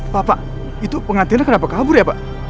bapak itu pengantinnya kenapa kabur ya pak